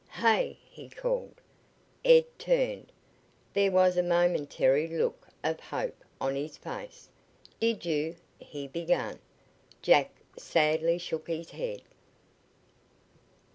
"Hey!" he called. Ed turned. There was a momentary look of hope on his face. "Did you " he began. Jack sadly shook his head.